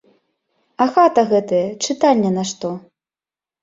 А хата гэтая чытальня нашто?!